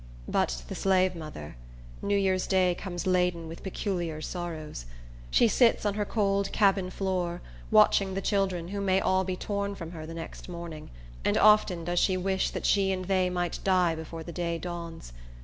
But to the slave mother New Year's day comes laden with peculiar sorrows. She sits on her cold cabin floor, watching the children who may all be torn from her the next morning; and often does she wish that she and they might die before the day dawns.